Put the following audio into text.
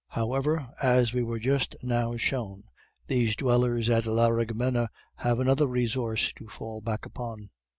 However, as we were just now shown, these dwellers at Laraghmena have another resource to fall back upon.